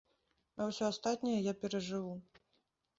А ўсё астатняе я перажыву.